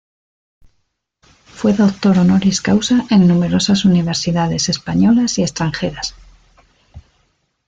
Fue doctor honoris causa en numerosas universidades españolas y extranjeras.